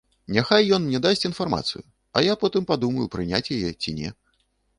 Няхай ён мне дасць інфармацыю, а я потым падумаю, прыняць яе ці не.